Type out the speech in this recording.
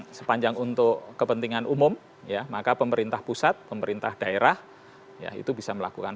jadi barang sepanjang untuk kepentingan umum maka pemerintah pusat pemerintah daerah itu bisa melakukan